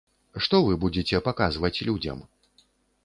Што вы будзеце паказваць людзям?